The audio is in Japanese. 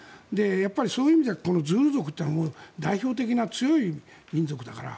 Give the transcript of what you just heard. やっぱりそういう意味ではズールー族というのは代表的な、強い民族だから。